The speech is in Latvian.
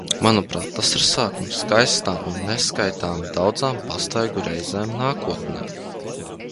Manuprāt, tas ir sākums skaistām un neskaitāmi daudzām pastaigu reizēm nākotnē.